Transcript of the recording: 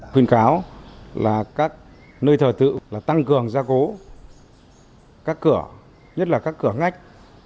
khuyên cáo là các nơi thờ tự tăng cường gia cố các cửa nhất là các cửa ngách